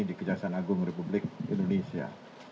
di kejaksaan agung republik indonesia